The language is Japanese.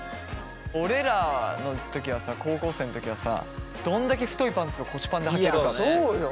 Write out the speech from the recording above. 俺らの時はさ高校生の時はさどんだけ太いパンツを腰パンではけるかね。